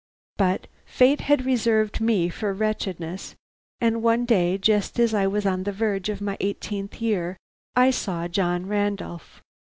"But fate had reserved me for wretchedness, and one day just as I was on the verge of my eighteenth year, I saw John Randolph.